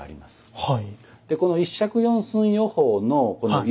はい。